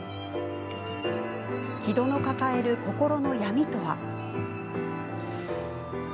城戸の抱える心の闇とは？